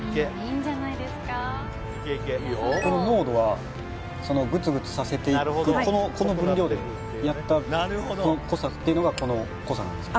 この濃度はそのグツグツさせていくこの分量でやったこの濃さっていうのがこの濃さなんですか？